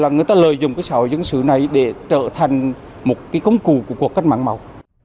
người ta lời dùng cái xã hội dân sự này để trở thành một cái cấu cù của cuộc cách mạng mẫu